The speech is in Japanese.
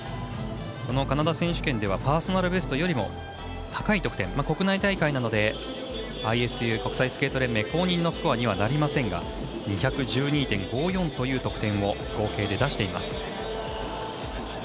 そのカナダ選手権ではパーソナルベストよりも高い得点、国内大会なのでＩＳＵ＝国際スケート連盟スコアにはなりませんが２１２．５４という得点を合計で出しています。